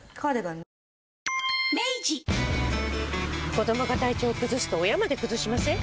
子どもが体調崩すと親まで崩しません？